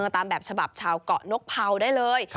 ตามแบบฉบับชาวเกาะนกเผาได้เลย